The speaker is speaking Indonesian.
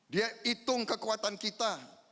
dia hitung kekuatan kita